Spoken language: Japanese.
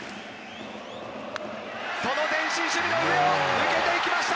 その前進守備の上を抜けていきました。